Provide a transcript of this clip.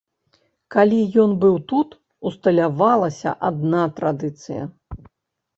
Калі ён быў тут, усталявалася адна традыцыя.